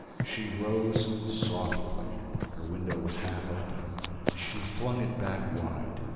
She rose softly. Her window was half open: she flung it back wide.